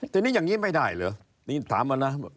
แต่นี่อย่างงี้ไม่ได้เหรอ